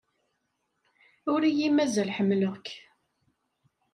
Ur iyi-mazal ḥemmleɣ-k.